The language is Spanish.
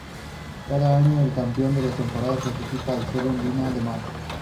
Cada año, el campeón de la temporada clasifica al Seven de Viña del Mar.